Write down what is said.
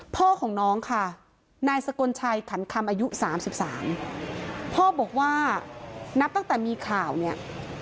พ่อของน้องค่ะนายสกลชัยถันคำอายุสามสิบสามพ่อบอกว่านับตั้งแต่มีข่าวเนี่ย